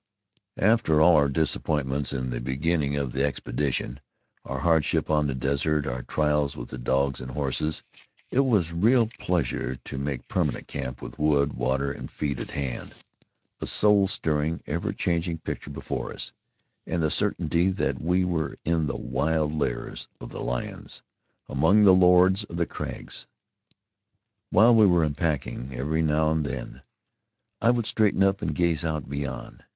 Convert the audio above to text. After all our disappointments in the beginning of the expedition, our hardship on the desert, our trials with the dogs and horses, it was real pleasure to make permanent camp with wood, water and feed at hand, a soul stirring, ever changing picture before us, and the certainty that we were in the wild lairs of the lions among the Lords of the Crags! While we were unpacking, every now and then I would straighten up and gaze out beyond.